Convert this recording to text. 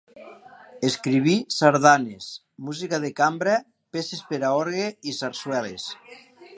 Escriví sardanes, música de cambra, peces per a orgue i sarsueles.